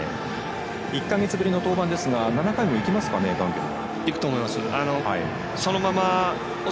１か月ぶりの登板ですが７回もいきますか、ガンケルは。